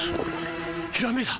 ひらめいた！